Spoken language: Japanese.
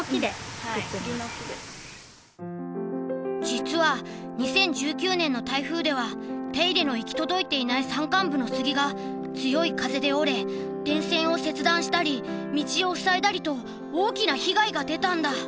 実は２０１９年の台風では手入れの行き届いていない山間部の杉が強い風で折れ電線を切断したり道を塞いだりと大きな被害が出たんだ。